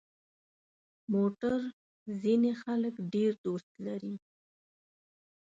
موټر ځینې خلک ډېر دوست لري.